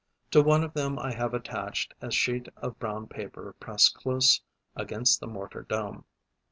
To one of them I have attached a sheet of brown paper pressed close against the mortar dome.